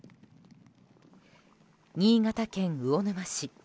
新潟県魚沼市。